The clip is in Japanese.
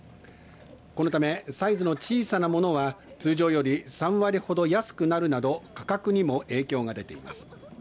このため、サイズの小さなものは通常より３割ほど安くなるなど価格にも影響が出ています。